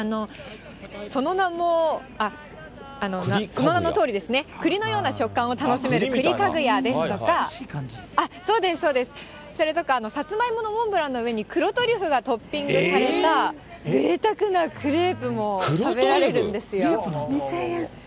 その名のとおりですね、くりのような食感を楽しめる栗かぐやですとか、それとか、さつまいものモンブランの上に黒トリュフがトッピングされたぜいたくなクレープも食べられるんですよ。